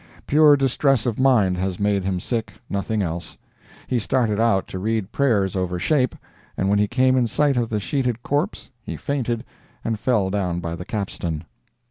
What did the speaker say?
Pure distress of mind has made him sick—nothing else. He started out to read prayers over 'Shape,' and when he came in sight of the sheeted corpse he fainted and fell down by the capstan."